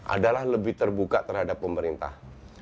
adalah lebih terbuka terhadap pemerintah